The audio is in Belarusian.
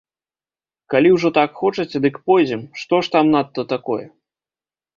Калі ўжо так хочаце, дык пойдзем, што ж там надта такое?!